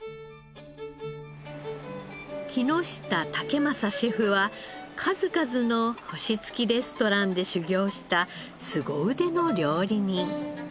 木下威征シェフは数々の星つきレストランで修業したすご腕の料理人。